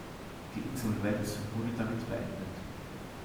Die Insolvenz wurde damit beendet.